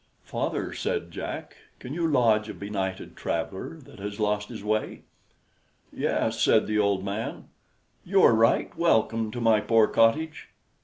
"Father," said Jack, "can you lodge a benighted traveler that has lost his way?" "Yes," said the old man; "you are right welcome to my poor cottage."